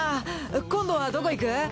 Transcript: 今度はどこ行く？